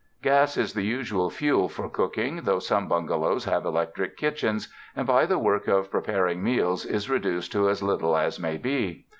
Gas is the usual fuel for cooking, though some bungalows have electric kitchens, and by it the work of prepar ing meals is reduced to as little as may be.